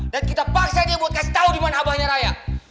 dan kita paksa dia buat kasih tau dimana abangnya raya